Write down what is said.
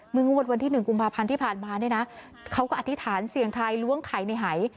งวดวันที่๑กุมภาพันธ์ที่ผ่านมาเนี่ยนะเขาก็อธิษฐานเสียงไทยล้วงไข่ในหาย